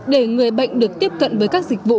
để người bệnh được tiếp cận với các dịch vụ